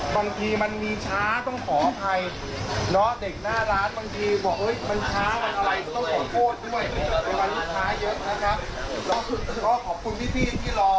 เพราะฉันก็ขอบคุณพี่ที่รอ